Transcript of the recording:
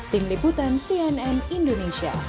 tim liputan cnn indonesia